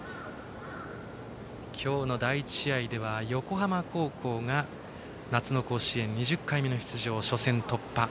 今日の第１試合では横浜高校が夏の甲子園２０回目の出場初戦突破。